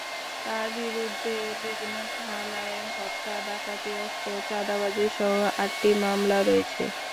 তাঁর বিরুদ্ধে বিভিন্ন থানায় হত্যা, ডাকাতি, অস্ত্র, চাঁদাবাজিসহ আটটি মামলা রয়েছে।